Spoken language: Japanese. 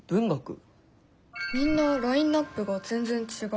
みんなラインナップが全然違う。